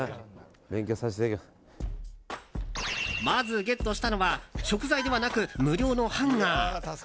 まずゲットしたのは食材ではなく無料のハンガー。